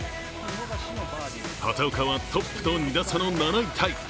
畑岡はトップと２打差の７位タイ。